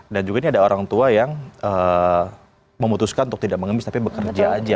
juga ini ada orang tua yang memutuskan untuk tidak mengemis tapi bekerja aja